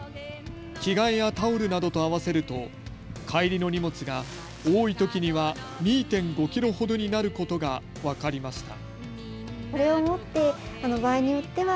着替えやタオルなどと合わせると帰りの荷物が多いときには２．５キロほどになることが分かりました。